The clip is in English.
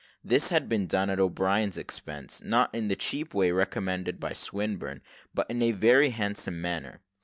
This had been done at O'Brien's expense not in the cheap way recommended by Swinburne, but in a very handsome manner.